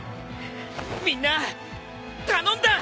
みんな頼んだ！